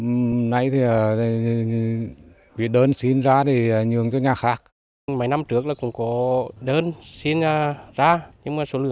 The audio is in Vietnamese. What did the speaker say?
mấy năm trước là cũng có đơn xin